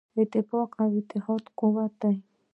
اتفاق او اتحاد قوت دی.